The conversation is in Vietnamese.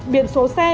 biển số xe